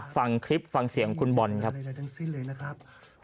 ฟังคลิปฟังเสียงคุณบอลครับ